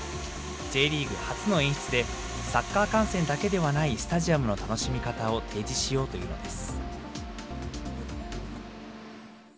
Ｊリーグ初の演出で、サッカー観戦だけではないスタジアムの楽しみ方を提示しようというのです。